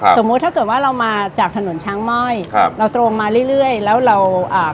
สมมุติถ้าเกิดว่าเรามาจากถนนช้างม่อยครับเราตรงมาเรื่อยเรื่อยแล้วเราอ่า